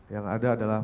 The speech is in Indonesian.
yang ada adalah